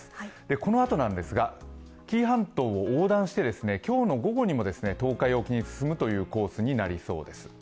このあとなんですが紀伊半島を横断して今日の午後にもですね、東海沖に進むというコースになりそうです